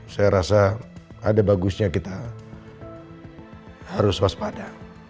saya rasa ada bagusnya kita harus waspada